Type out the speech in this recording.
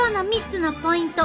３つのポイント？